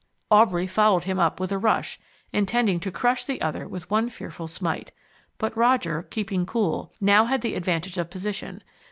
Aubrey followed him up with a rush, intending to crush the other with one fearful smite. But Roger, keeping cool, now had the advantage of position.